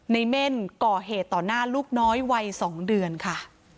เม่นก่อเหตุต่อหน้าลูกน้อยวัย๒เดือนค่ะ